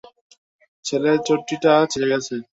ছেলের চটিটা ছিড়ে গেছে।